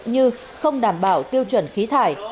như không đảm bảo tiêu chuẩn khí thải